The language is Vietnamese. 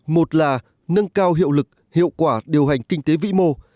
một là nâng cao hiệu lực hiệu quả điều hành kinh tế vĩ mô